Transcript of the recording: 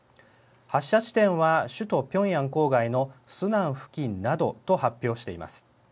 発射地点は首都ピョンヤン郊外のスナン付近などと発表しています。